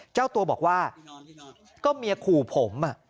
เจ้าตัวบอกว่าก็เมียขู่ผม